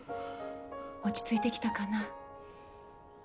落ち着いてきたかな？